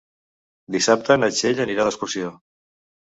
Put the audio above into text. Dissabte na Txell anirà d'excursió.